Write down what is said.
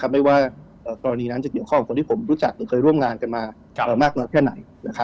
ไม่ว่ากรณีนั้นจะเกี่ยวข้องกับคนที่ผมรู้จักหรือเคยร่วมงานกันมามากน้อยแค่ไหน